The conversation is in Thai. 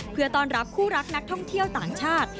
เพื่อต้อนรับคู่รักนักท่องเที่ยวต่างชาติ